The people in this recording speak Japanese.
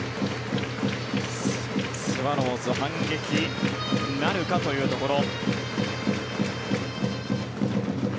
スワローズ反撃なるかというところ。